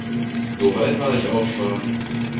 So weit war ich auch schon.